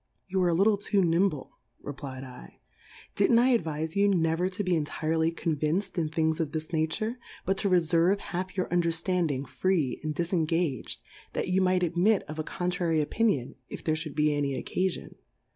You are a li' tie too iiimble, r^p^ V /, did'nt I ad viic you never to be enrirely conviac'd in f'hiiigs of this nature, but to re fcrve haU'your Underllandiiig free and difengag'd, that you might admit of a contrary Opinion, if there fliould be a ny oc^afion.